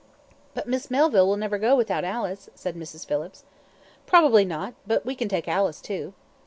"But Miss Melville will never go without Alice," said Mrs. Phillips. "Probably not; but we can take Alice, too."